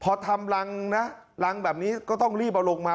พอทำรังนะรังแบบนี้ก็ต้องรีบเอาลงมา